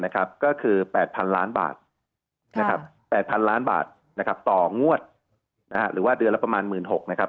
ก็คือ๘๐๐๐ล้านบาทต่องวดหรือว่าเดือนละประมาณ๑๖๐๐๐บาท